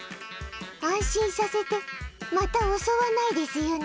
安心させてまた襲わないですよね？